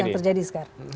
itu yang terjadi sekarang